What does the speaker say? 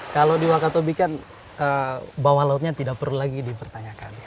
kalau di wakatobi kan bawah lautnya tidak perlu lagi dipertanyakan